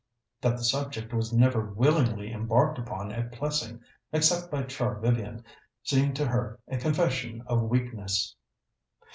That the subject was never willingly embarked upon at Plessing, except by Char Vivian, seemed to her a confession of weakness.